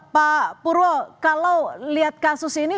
pak purwo kalau lihat kasus ini